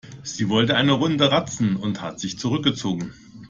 Sie wollte eine Runde ratzen und hat sich zurückgezogen.